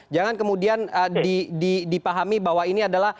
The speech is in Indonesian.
jangan kemudian dipahami bahwa ini adalah